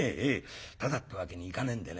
タダってわけにいかねえんでね。